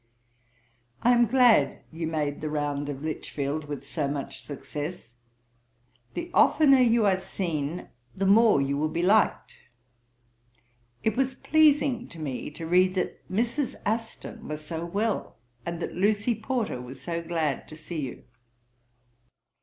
'I am glad that you made the round of Lichfield with so much success: the oftener you are seen, the more you will be liked. It was pleasing to me to read that Mrs. Aston was so well, and that Lucy Porter was so glad to see you.